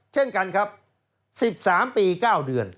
เช่นกันครับ๑๓ปี๙เดือน